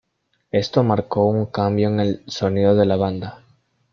Esto marcó un cambio en el sonido de la banda.